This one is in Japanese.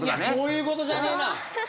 いやそういうことじゃねえな。